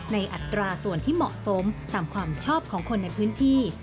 อัตราส่วนที่เหมาะสมตามความชอบของคนในพื้นที่